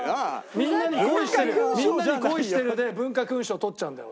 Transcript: みんなに恋してるみんなに恋してるで文化勲章取っちゃうんだよ俺。